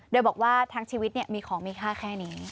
โดยบอกว่าทั้งชีวิตมีของมีค่าแค่นี้